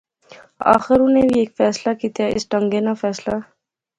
آخر انیں وی ہیک فیصلہ کیتیا اس ٹہنگے ناں فیصلہ